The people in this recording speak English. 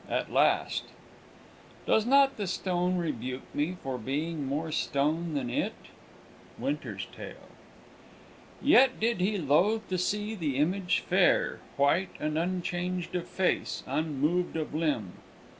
AT LAST IX. "Does not the stone rebuke me For being more stone than it?" Winter's Tale. "Yet did he loath to see the image fair, White and unchanged of face, unmoved of limb!"